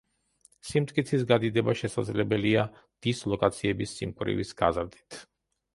სიმტკიცის გადიდება შესაძლებელია დისლოკაციების სიმკვრივის გაზრდით.